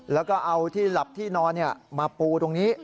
แล้วก็เอาที่หลับที่นอนมาปูตรงนี้